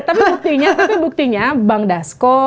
tapi buktinya tapi buktinya bang dasko